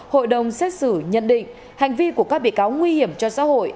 hội đồng xét xử nhận định hành vi của các bị cáo nguy hiểm cho xã hội